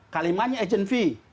kalimatnya agent fee